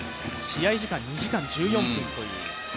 試合時間、２時間１４分という。